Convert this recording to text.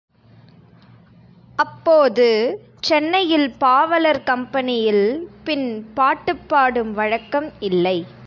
அப்போது சென்னையில் பாவலர் கம்பெனியில் பின் பாட்டுப் பாடும் வழக்கம் இல்லை.